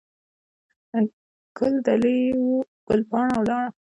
ګل دلې وو، ګل پاڼه ولاړه.